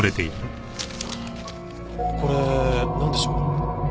これなんでしょう？